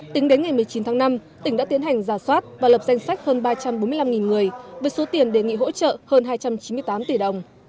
tính đến ngày một mươi chín tháng năm tỉnh đã tiến hành giả soát và lập danh sách hơn ba trăm bốn mươi năm người với số tiền đề nghị hỗ trợ hơn hai trăm chín mươi tám tỷ đồng